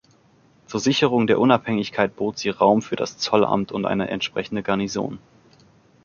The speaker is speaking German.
Zur Sicherung der Unabhängigkeit bot sie Raum für das Zollamt und eine entsprechende Garnison.